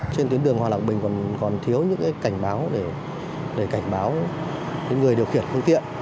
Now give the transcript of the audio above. trên tuyến đường hòa lạc bình còn thiếu những cảnh báo để cảnh báo người điều khiển phương tiện